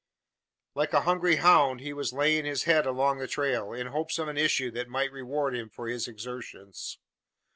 Like a hungry hound he was laying his head along the trail, in hopes of an issue that might reward him for his exertions.